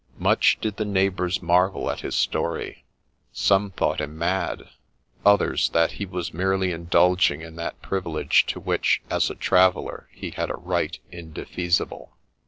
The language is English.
Much did the neighbou/s marvel at his story :— some thought him mad ; others, that he was merely indulging in that privilege to which, as a traveller, he had a right indefeasible.